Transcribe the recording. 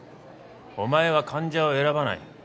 お前は患者を選ばない。